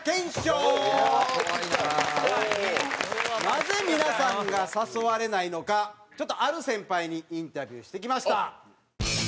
なぜ皆さんが誘われないのかちょっとある先輩にインタビューしてきました。